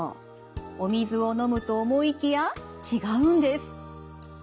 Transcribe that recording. お水を飲むと思いきや違うんです。